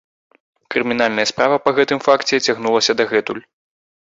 Крымінальная справа па гэтым факце цягнулася дагэтуль.